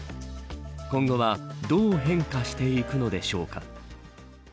今後はどう変化していくのでしょうか。